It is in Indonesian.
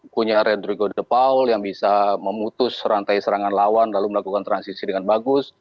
punya redrigo de paul yang bisa memutus rantai serangan lawan lalu melakukan transisi dengan bagus